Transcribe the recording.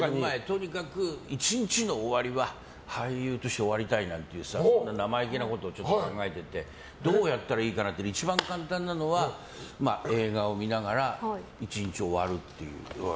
とにかく１日の終わりは俳優として終わりたいなんていう生意気なことを考えててどうやったらいいかなって一番簡単なのは映画を見ながら１日終わるっていう。